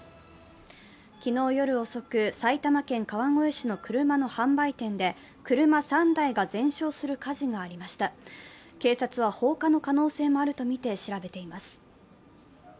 昨日夜遅く埼玉県川越市の車の販売店で、車３台が全焼する火事がありました警察は放火の可能性もあるとみて調べています。